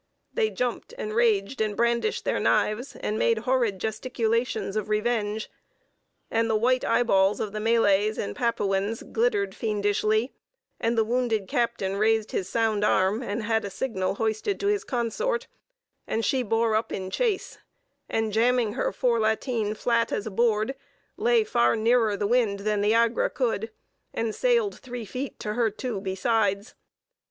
They jumped, and raged, and brandished their knives, and made horrid gesticulations of revenge; and the white eyeballs of the Malays and Papuans glittered fiendishly; and the wounded captain raised his sound arm and had a signal hoisted to his consort, and she bore up in chase, and jamming her fore lateen flat as a board, lay far nearer the wind than the Agra could, and sailed three feet to her two besides.